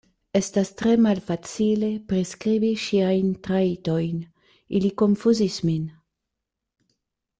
Estas tre malfacile priskribi ŝiajn trajtojn, ili konfuzis min.